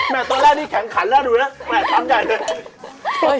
แม่ตัวแรกนี่แข็งขันแม่ขักใหจต่อ